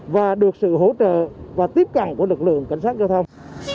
và được sự hỗ trợ và tiếp cận của lực lượng cảnh sát giao thông